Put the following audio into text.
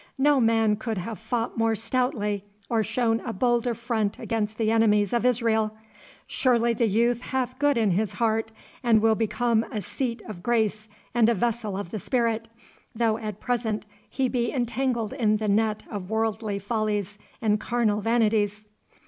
No man could have fought more stoutly or shown a bolder front against the enemies of Israel. Surely the youth hath good in his heart, and will become a seat of grace and a vessel of the Spirit, though at present he be entangled in the net of worldly follies and carnal vanities.